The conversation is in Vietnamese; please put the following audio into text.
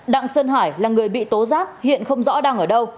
đặng sơn hải là người bị tố giác hiện không rõ đang ở đâu